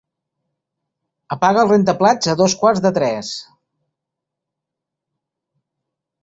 Apaga el rentaplats a dos quarts de tres.